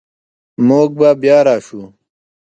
موږ به بیا راشو